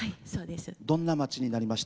どんな町になりました？